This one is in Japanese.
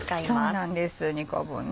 そうなんです２個分ね。